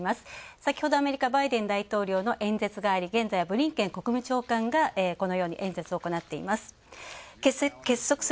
先ほどバイデン大統領の演説があり、現在はブリンケン国務長官が演説を行っています。